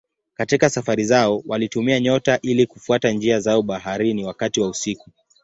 Katika safari zao walitumia nyota ili kufuata njia zao baharini wakati wa usiku.